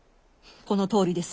このとおりです